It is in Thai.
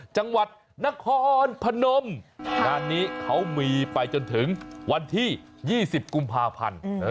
จังหวัดนครพนมงานนี้เขามีไปจนถึงวันที่๒๐กุมภาพันธ์